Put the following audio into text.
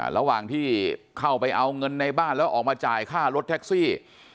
ระหว่างที่เข้าไปเอาเงินในบ้านแล้วออกมาจ่ายค่ารถแท็กซี่